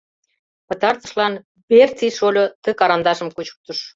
Пытартышлан Бэрци шольо ты карандашым кучыктыш.